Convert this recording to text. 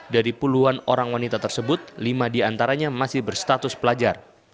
dari puluhan orang wanita tersebut lima diantaranya masih berstatus pelajar